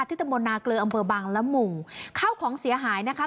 ที่ตมนาเกลออำเบอร์บางละหมู่เข้าของเสียหายนะคะ